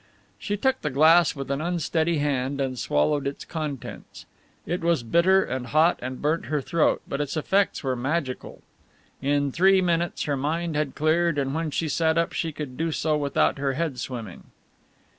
She took the glass with an unsteady hand and swallowed its contents. It was bitter and hot and burnt her throat, but its effects were magical. In three minutes her mind had cleared and when she sat up she could do so without her head swimming.